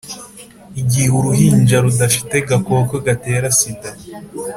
igihe uruhinja rudafite gakoko gatera sida,